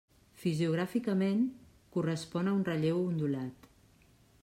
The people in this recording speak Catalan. Fisiogràficament, correspon a un relleu ondulat.